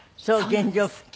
原状復帰。